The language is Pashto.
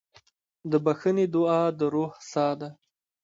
د بښنې دعا د روح ساه ده.